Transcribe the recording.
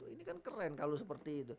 ini kan keren kalau seperti itu